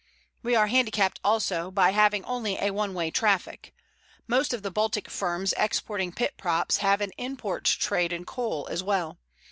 We are handicapped also by having only a one way traffic. Most of the Baltic firms exporting pit props have an import trade in coal as well.